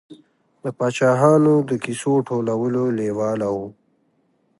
د پاچاهانو د کیسو ټولولو لېواله و.